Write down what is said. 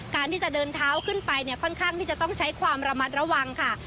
การที่จะเดินเท้าขึ้นไปเนี่ยค่อนข้างที่จะต้องใช้ความระมัดระวังค่ะ